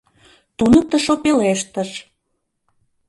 — туныктышо пелештыш.